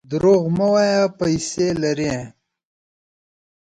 درواغ مه وایه ! پیسې لرې.